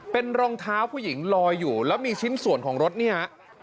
เป็นรองเท้าผู้หญิงลอยอยู่แล้วมีชิ้นส่วนของรถเนี่ยฮะ